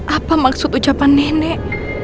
apa maksud ucapan nenek